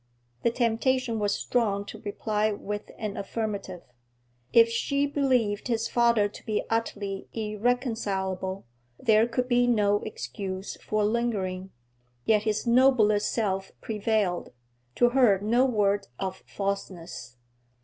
The temptation was strong to reply with an affirmative. If she believed his father to be utterly irreconcilable, there could be no excuse for lingering; yet his nobler self prevailed, to her no word of falseness.